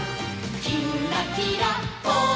「きんらきらぽん」